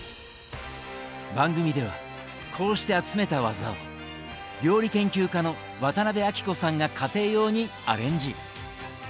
番組ではこうして集めたワザを料理研究家の渡辺あきこさんが家庭用にアレンジ。